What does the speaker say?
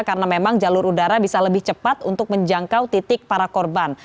karena memang jalur udara bisa lebih cepat untuk menjangkau titik para korban